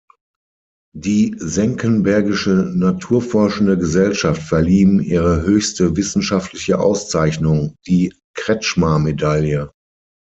Die Senckenbergische Naturforschende Gesellschaft verlieh ihm ihre höchste wissenschaftliche Auszeichnung, die Cretzschmar-Medaille.